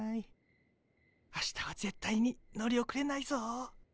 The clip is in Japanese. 明日はぜったいに乗り遅れないぞ。